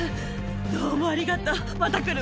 どうもありがとうまた来るわ。